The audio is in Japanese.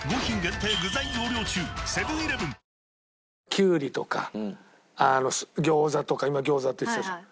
キュウリとか餃子とか今餃子って言ってたじゃん。